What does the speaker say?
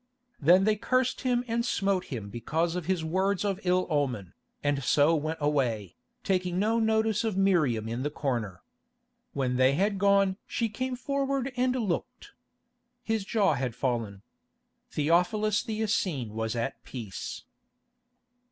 Then they cursed him and smote him because of his words of ill omen, and so went away, taking no notice of Miriam in the corner. When they had gone she came forward and looked. His jaw had fallen. Theophilus the Essene was at peace.